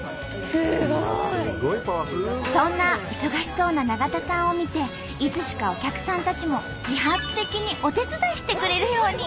そんな忙しそうな永田さんを見ていつしかお客さんたちも自発的にお手伝いしてくれるように。